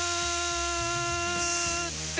って